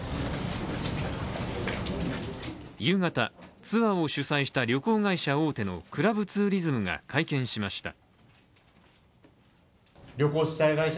夕方、ツアーを主催した旅行会社大手のクラブツーリズムが会見しました。